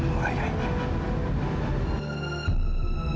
kau pessoas yang menghunurku